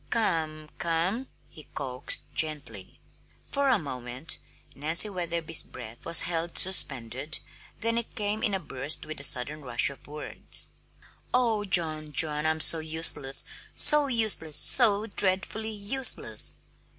"Come, come," he coaxed gently. For a moment Nancy Wetherby's breath was held suspended, then it came in a burst with a rush of words. "Oh, John, John, I'm so useless, so useless, so dreadfully useless!